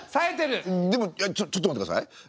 でもちょちょっと待ってください。